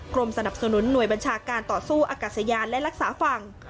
กรมสนับสนุนหน่วยบัญชาการต่อสู้อากาศยานและรักษาฝั่ง